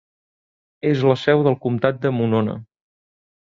És la seu del comtat de Monona.